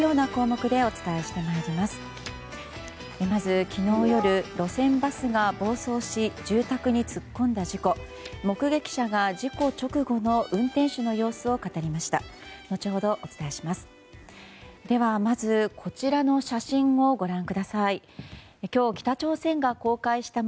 目撃者が事故直後の運転手の様子を語りました。